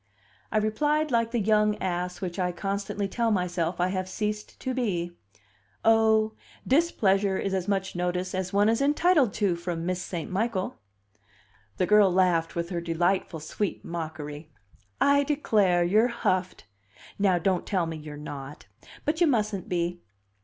I replied like the young ass which I constantly tell myself I have ceased to be: "Oh, displeasure is as much notice as one is entitled to from Miss St. Michael." The girl laughed with her delightful sweet mockery. "I declare, you're huffed! Now don't tell me you're not. But you mustn't be.